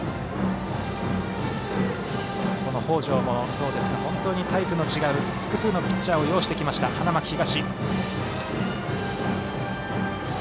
北條もそうですが本当にタイプの違う複数のピッチャーを擁してきました、花巻東。